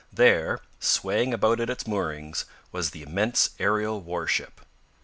There, swaying about at its moorings, was the immense aerial warship.